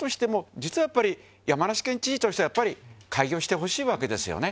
実はやっぱり獲８.了筿箸靴討やっぱり開業してほしいわけですよね。